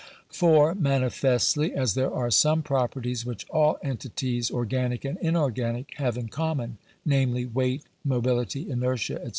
For, manifestly, as there are some properties which all entities, organic and inorganic, have in common, namely, weight, mo bility, inertia, &c.